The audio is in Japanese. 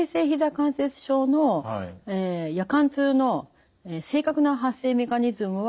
関節症の夜間痛の正確な発生メカニズムは不明です。